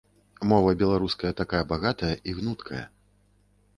Мова беларуская такая багатая і гнуткая.